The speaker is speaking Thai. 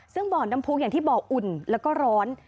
ซึ่งบ่อน้ำพุกอย่างที่บอกอุ่นแล้วก็ร้อน